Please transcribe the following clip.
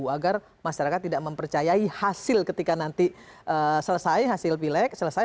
agar masyarakat tidak mempercayai hasil ketika nanti selesai hasil pilek selesai